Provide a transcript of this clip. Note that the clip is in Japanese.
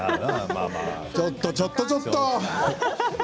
ちょっとちょっとちょっと。